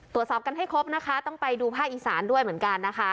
ตรวจสอบกันให้ครบนะคะต้องไปดูภาคอีสานด้วยเหมือนกันนะคะ